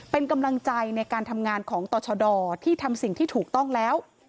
เป็นกำลังใจในการทำงานของต่อชดที่ทำสิ่งที่ถูกต้องแล้ว